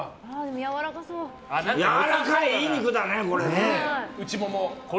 やわらかい、いい肉だね、これ。